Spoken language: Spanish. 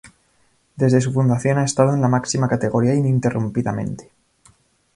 Desde su fundación ha estado en la máxima categoría ininterrumpidamente.